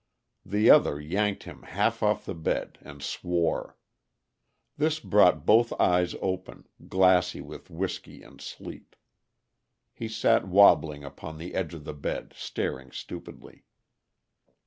The other yanked him half off the bed, and swore. This brought both eyes open, glassy with whisky and sleep. He sat wobbling upon the edge of the bed, staring stupidly.